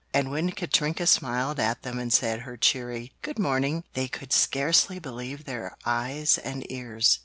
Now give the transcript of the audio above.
And when Katrinka smiled at them and said her cheery "Good morning" they could scarcely believe their eyes and ears.